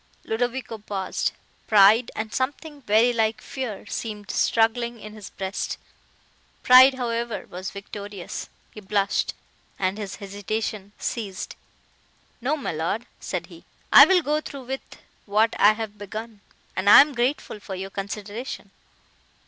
Ludovico paused; pride, and something very like fear, seemed struggling in his breast; pride, however, was victorious;—he blushed, and his hesitation ceased. "No, my Lord," said he, "I will go through with what I have begun; and I am grateful for your consideration.